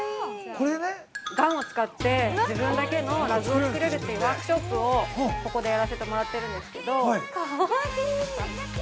◆これね◆ガンを使って自分だけのラグを作れるっていうワークショップを、ここでやらせてもらってるんですけど。